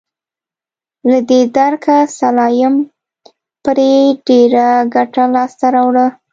له دې درکه سلایم پرې ډېره ګټه لاسته راوړه.